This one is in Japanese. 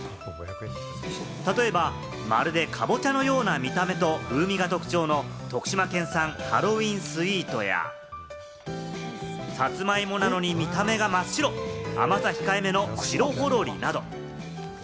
例えば、まるでかぼちゃのような見た目と風味が特徴の徳島県産ハロウィンスウィートや、さつまいもなのに見た目が真っ白、甘さ控えめのしろほろりなど。